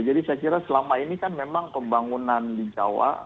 jadi saya kira selama ini kan memang pembangunan di jawa